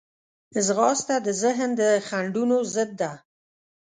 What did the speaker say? ځغاسته د ذهن د خنډونو ضد ده